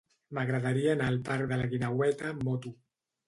M'agradaria anar al parc de la Guineueta amb moto.